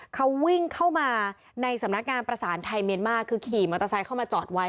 เขาวิ่งเข้ามาในสำนักงานประสานไทยเมียนมาร์คือขี่มอเตอร์ไซค์เข้ามาจอดไว้